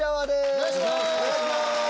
お願いします。